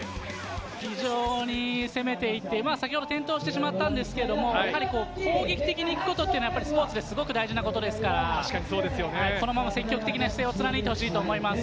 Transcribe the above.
非常にいい攻めていて、先ほど転倒してしまったんですけど、攻撃的に行くことはスポーツですごく大事なことですから、このまま積極的な姿勢を貫いてほしいと思います。